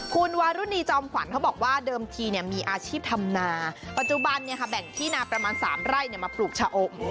คุณวารุณีจอมขวัญเขาบอกว่าเดิมทีมีอาชีพทำนาปัจจุบันแบ่งที่นาประมาณ๓ไร่มาปลูกชะอม